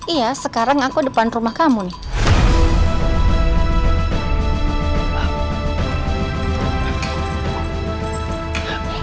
iya sekarang aku depan rumah kamu nih